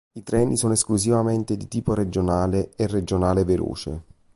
I treni sono esclusivamente di tipo regionale e regionale veloce.